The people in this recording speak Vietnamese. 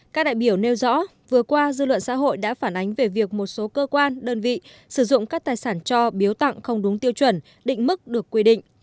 các đại biểu nêu rõ vừa qua dư luận xã hội đã phản ánh về việc một số cơ quan đơn vị sử dụng các tài sản cho biếu tặng không đúng tiêu chuẩn định mức được quy định